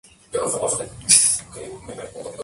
La unidad controlaba la capital y sus alrededores.